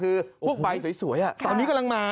โอ้โหสวยอะตอนนี้กำลังมา